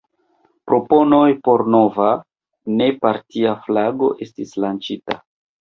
Proponoj por nova, ne-partia flago estis lanĉita.